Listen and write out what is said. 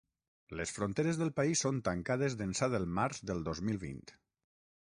Les fronteres del país són tancades d’ençà del març del dos mil vint.